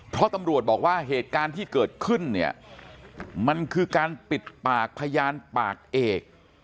เพราะตำรวจบอกว่าเหตุการณ์ที่เกิดขึ้นเนี่ยมันคือการปิดปากพยานปากเอก